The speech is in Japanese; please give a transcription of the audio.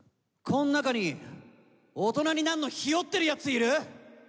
こん中に大人になんのひよってるやついる？